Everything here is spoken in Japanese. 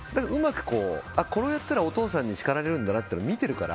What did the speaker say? こうやったらお父さんに叱られるんだなというのを見ているから。